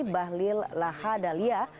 bahlil laha dahlia